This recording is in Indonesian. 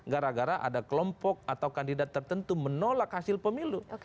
gara gara ada kelompok atau kandidat tertentu menolak hasil pemilu